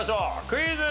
クイズ。